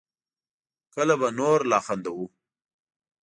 کله به نور لا خندوو